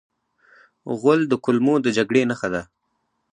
غول د کولمو د جګړې نښه ده.